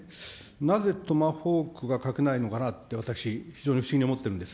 なぜトマホークが書けないのかなって、私、非常に不思議に思ってるんです。